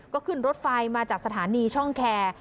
ก็ขึ้นรถไฟมาจากสถานีช่องแคร์